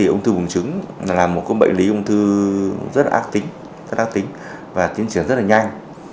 ung thư buồng trứng là một bệnh lý ung thư rất ác tính và tiến triển rất nhanh